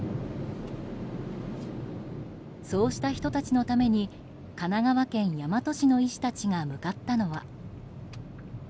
そうした人たちのために神奈川県大和市の医師たちが向かったのは。